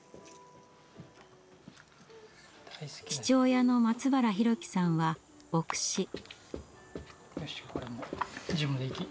父親の松原宏樹さんは牧師。